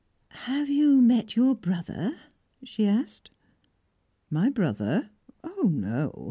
"Have you met your brother?" she asked. "My brother? Oh no!"